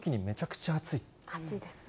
暑いですね。